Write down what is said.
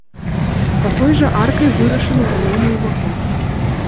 Такой жа аркай вырашаны галоўны ўваход.